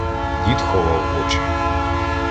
Дід ховав очі.